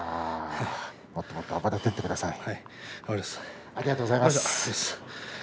もっともっと暴れていってください。